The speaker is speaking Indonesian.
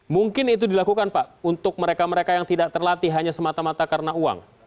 mungkin itu dilakukan pak untuk mereka mereka yang tidak terlatih hanya semata mata karena uang